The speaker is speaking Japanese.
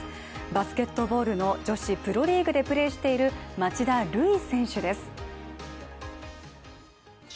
バスケットボールの女子プロリーグでプレーしている町田瑠唯選手です。